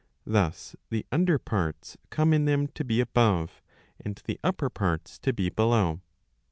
^ Thus the under parts come in them to be above, and the upper parts to be below.